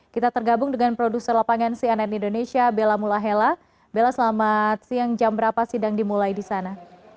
kita tergabung dengan produser lapangan cnn indonesia bella mulahela bella selamat siang jam berapa sidang dimulai di sana